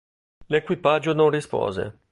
L'equipaggio non rispose.